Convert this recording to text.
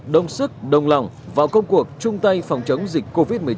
đồng sức đồng lòng vào công cuộc chung tay phòng chống dịch covid một mươi chín trên cả nước